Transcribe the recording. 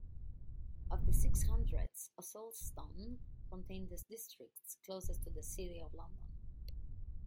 Of the six hundreds, Ossulstone contained the districts closest to the City of London.